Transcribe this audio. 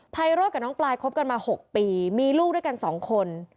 ไรโรธกับน้องปลายคบกันมา๖ปีมีลูกด้วยกัน๒คน